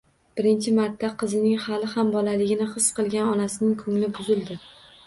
Birinchi marta qizining hali ham bolaligini his qilgan onasining ko`ngli buzildi